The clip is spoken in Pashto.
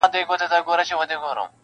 بد مه راسره کوه، ښه دي نه غواړم-